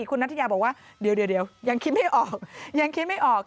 คุณนัทยาเชียร์บอกว่าเดี๋ยวยังคิดไม่ออก